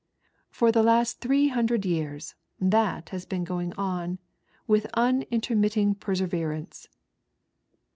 For the last 300 years that has been going on witli unintermitting perseverance."